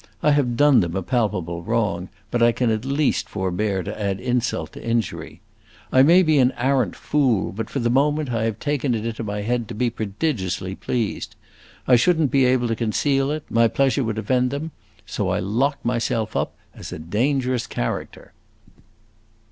I have done them a palpable wrong, but I can at least forbear to add insult to injury. I may be an arrant fool, but, for the moment, I have taken it into my head to be prodigiously pleased. I should n't be able to conceal it; my pleasure would offend them; so I lock myself up as a dangerous character."